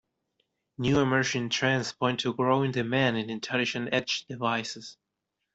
New emerging trends point to growing demand in intelligent edge devices.